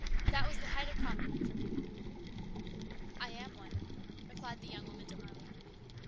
That was the height of compliment from him. " I am one," replied the young woman demurely.